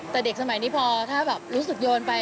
แต่เด็กสมัยนี้พอถ้าแบบรู้สึกโยนไป